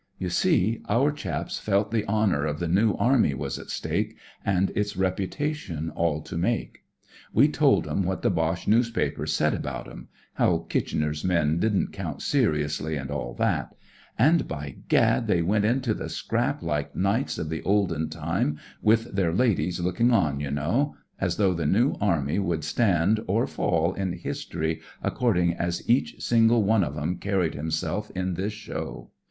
You see, our chaps felt the honour of the New Army was at stake, and its reputation all to make. We'd told 'em what the Boche newspapers said about 'em: how Kitchener's men didn't count seriously, and all that ; and, by gad, they went into the scrap like knights of the olden time with their W SPIRIT OF BRITISH SOLDIER i\ II. 1 ) hM ladies lookin* on, you know; as though the New Army would stand or fall in history according as each single one of 'em carried himself in this show.